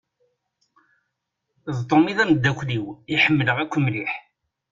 D Tom i d amdakel-iw i ḥemmleɣ akk mliḥ.